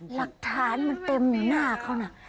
เหลักฐานมันเต็มหน้าเขานะ